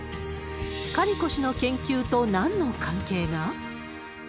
カリコ氏の研究となんの関係が？